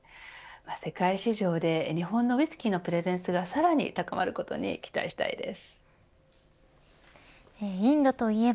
世界市場で日本のウイスキーのプレゼンスがさらに高まることに期待したいです。